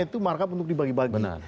itu markup untuk dibagi bagi